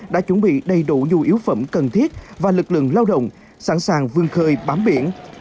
đã chuẩn bị đầy đủ nhu yếu phẩm cần thiết và lực lượng lao động sẵn sàng vương khơi bám biển